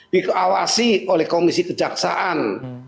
dikeawasi oleh komisi kejaksaan